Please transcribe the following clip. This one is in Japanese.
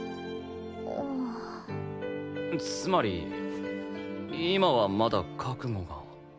つまり今はまだ覚悟が。